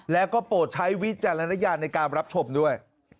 แล้วก็โปรดใช้วิจารณญาณในการรับชมด้วย